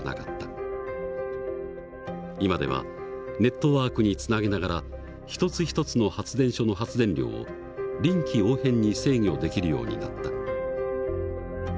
今ではネットワークにつなげながら一つ一つの発電所の発電量を臨機応変に制御できるようになった。